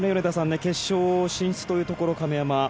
決勝進出というところ、亀山。